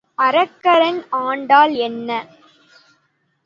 அரகரன் ஆண்டால் என்ன?